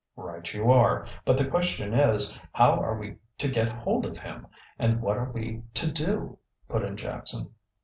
"Right you are. But the question is, How are we to get hold of him, and what are we to do?" put in Jackson.